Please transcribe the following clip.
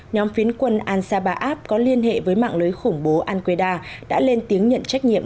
nhóm phiến quân ansabaab có liên hệ với mạng lưới khủng bố al qaeda đã lên tiếng nhận trách nhiệm